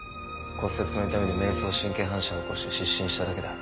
骨折の痛みで迷走神経反射を起こして失神しただけだ。